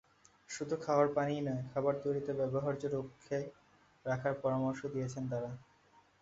শুধু খাওয়ার পানিই নয়, খাবার তৈরিতে ব্যবহার্য লক্ষ্যে রাখার পরামর্শ দিয়েছেন তাঁরা।